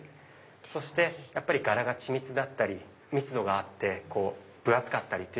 そして柄が緻密だったり密度があって分厚かったり。